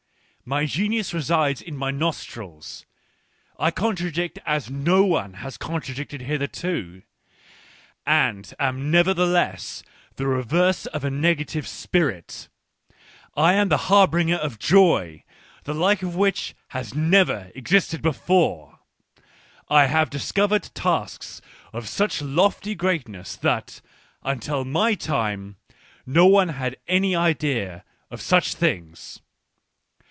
My genius resides in my nostrils. J_ contradict as no one has^contradicted hitherto, and t am_nevertheless the reverse of a negative spiri t !: am the harbinger of joy, the like of which has never existed S e for e ; I have discovered tasks of such lofty greatness that, until my time, no one had any idea of such things.